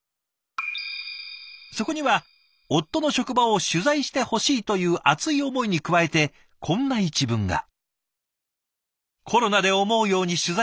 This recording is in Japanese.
そこには夫の職場を取材してほしいという熱い思いに加えてこんな一文が。